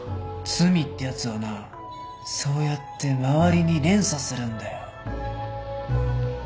罪ってやつはなそうやって周りに連鎖するんだよ。